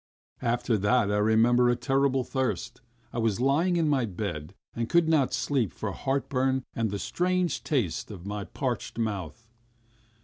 After that I remember a terrible thirst. I was lying in my bed, and could not sleep for heartburn and the strange taste in my parched mouth.